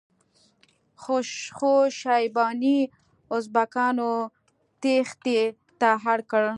خو شیباني ازبکانو تیښتې ته اړ کړ.